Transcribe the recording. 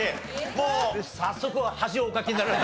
もう早速恥をおかきになられたようで。